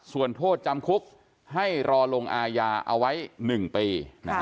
ส่วนโทษจำคุกให้รอลงอาญาเอาไว้๑ปี